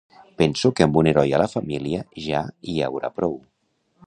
Penso que amb un heroi a la família ja hi haurà prou.